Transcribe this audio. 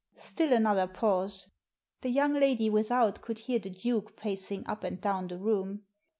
Still another pause. The young lady without could hear the Duke pacing up and down the room.